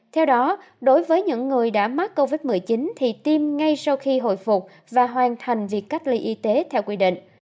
theo đó đối với những người đã mắc covid một mươi chín thì tiêm ngay sau khi hồi phục và hoàn thành việc cách ly y tế theo quy định